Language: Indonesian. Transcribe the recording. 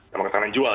mengalami tekanan jual